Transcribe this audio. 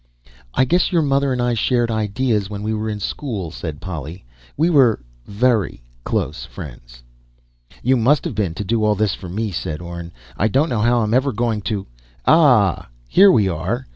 "I guess your mother and I shared ideas when we were in school," said Polly. "We were very close friends." "You must've been to do all this for me," said Orne. "I don't know how I'm ever going to " "Ah! Here we are!"